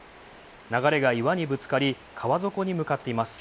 流れが岩にぶつかり川底に向かっています。